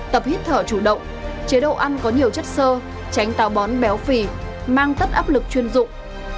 tập hít thở chủ động chế độ ăn có nhiều chất sơ tránh tàu bón béo phì mang tất áp lực chuyên dụng